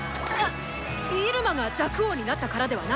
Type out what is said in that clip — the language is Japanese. イルマが若王になったからではないぞ。